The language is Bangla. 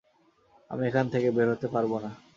আমি এখান থেকে বের হতে পারবো না।